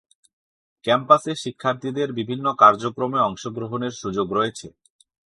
ক্যাম্পাসে শিক্ষার্থীদের বিভিন্ন কার্যক্রমে অংশগ্রহণের সুযোগ রয়েছে।